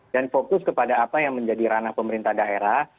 dan fokus kepada apa yang menjadi ranah pemerintah daerah